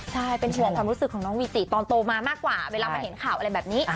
ใช่เป็นห่วงความรู้สึกของน้องวีติตอนโตมามากกว่าเวลามาเห็นข่าวอะไรแบบนี้